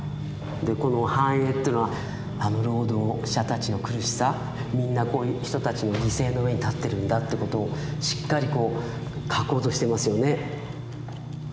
でこの繁栄っていうのは労働者たちの苦しさみんなこういう人たちの犠牲の上に立ってるんだってことをしっかりこう描こうとしてますよね。